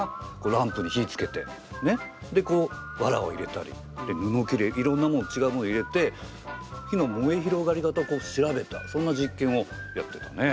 ランプに火つけてねっでこうわらを入れたりぬのきれいろんなもんちがうもの入れて火の燃え広がり方こう調べたそんな実験をやってたね。